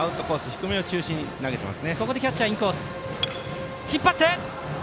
低めを中心に投げてます。